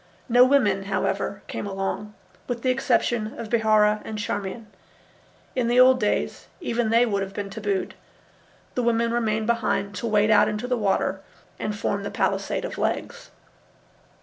No women, however, came along, with the exception of Bihaura and Charmian. In the old days even they would have been tabooed. The women remained behind to wade out into the water and form the palisade of legs.